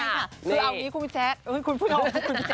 คือเอาอย่างนี้คุณพี่แจ๊กคุณพี่แจ๊ก